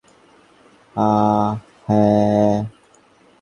অ্যাঁ, হ্যাঁ?